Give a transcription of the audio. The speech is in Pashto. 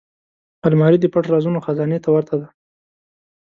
الماري د پټ رازونو خزانې ته ورته ده